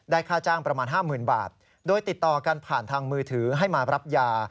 ค่าจ้างประมาณ๕๐๐๐บาทโดยติดต่อกันผ่านทางมือถือให้มารับยา